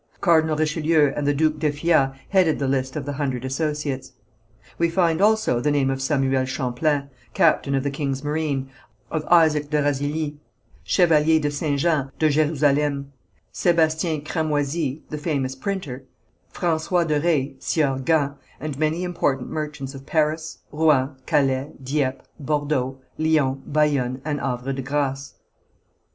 Cardinal Richelieu and the Duke d'Effiat headed the list of the Hundred Associates. We find also the name of Samuel Champlain, captain of the king's marine, of Isaac de Razilly, chevalier de St. Jean de Jérusalem, Sébastien Cramoisy, the famous printer; François de Ré, Sieur Gand, and many important merchants of Paris, Rouen, Calais, Dieppe, Bordeaux, Lyons, Bayonne, and Havre de Grâce.